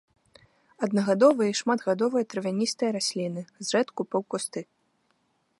Аднагадовыя і шматгадовыя травяністыя расліны, зрэдку паўкусты.